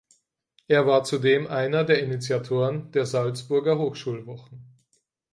Er war zudem einer der Initiatoren der Salzburger Hochschulwochen.